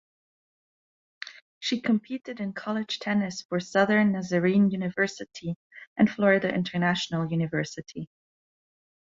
She competed in college tennis for Southern Nazarene University and Florida International University.